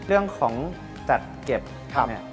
เรื่องของจัดเก็บเนี่ย